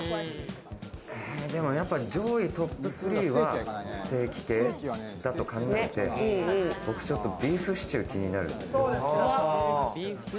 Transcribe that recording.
でも上位ＴＯＰ３はステーキ系だと考えて、僕ちょっとビーフシチュー気になるんです。